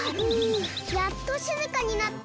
やっとしずかになった。